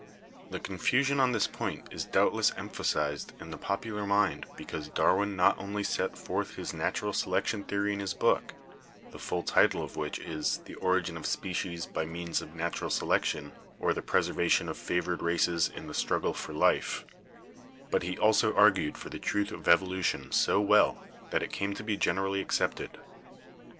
The confusion on this point is doubtless emphasized in the popular mind because Darwin not only set forth his natural selection theory in his book, the full title of which is 'The Origin of Species by Means of Natural Selection; or, The Preservation of Favored Races in the Struggle for Life,' but he also argued for the truth of evolution so well that it came to be generally accepted.